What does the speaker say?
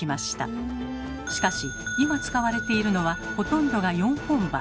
しかし今使われているのはほとんどが４本歯。